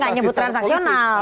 saya nggak nyebut transaksional